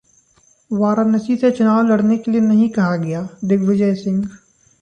वाराणसी से चुनाव लड़ने के लिए नहीं कहा गया: दिग्विजय सिंह